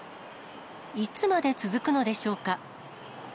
いつまで続くのでしょうか。